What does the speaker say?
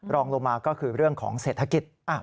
รองลงมาก็คือเรื่องของเศรษฐกิจ